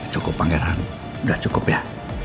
cukup pangeran nggak cukup ya